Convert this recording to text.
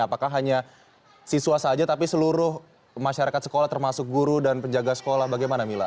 apakah hanya siswa saja tapi seluruh masyarakat sekolah termasuk guru dan penjaga sekolah bagaimana mila